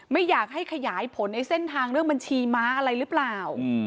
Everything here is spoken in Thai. ไม่อยากให้ขยายผลไอ้เส้นทางเรื่องบัญชีม้าอะไรหรือเปล่า